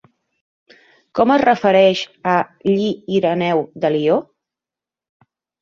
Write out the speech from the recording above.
Com es refereix a Lli Ireneu de Lió?